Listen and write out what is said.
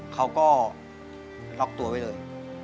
เขาก็ล็อกตัวไว้เลย